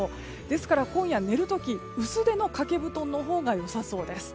ですから、今夜寝る時薄手の掛け布団のほうが良さそうです。